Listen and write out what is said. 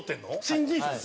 新人賞です。